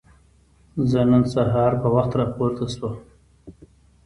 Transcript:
زه نن سهار په وخت راپورته شوم.